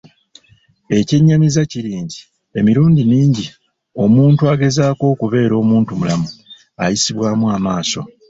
Ekyennyamiza kiri nti emirundi mingi omuntu agezaako okubeera omuntumulamu ayisibwamu amaaso.